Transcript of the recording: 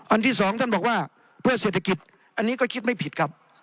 ที่สองท่านบอกว่าเพื่อเศรษฐกิจอันนี้ก็คิดไม่ผิดครับ